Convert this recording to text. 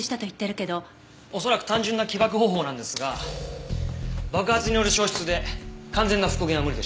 恐らく単純な起爆方法なんですが爆発による消失で完全な復元は無理でした。